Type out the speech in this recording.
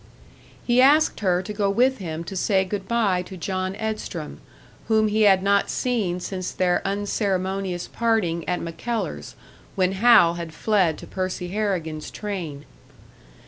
He asked her to go with him to say good bye to John Edstrom, whom he had not seen since their unceremonious parting at MacKellar's, when Hal had fled to Percy Harrigan's train.